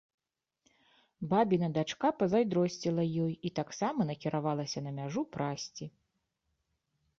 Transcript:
Бабіна дачка пазайздросціла ёй і таксама накіравалася на мяжу прасці.